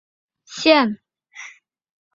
兴元县是越南乂安省下辖的一个县。